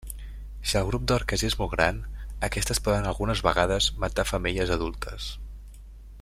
Si el grup d'orques és molt gran, aquestes poden algunes vegades matar femelles adultes.